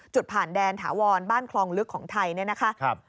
จุดผ่านแดนถาวรบ้านคลองลึกของไทยนะครับ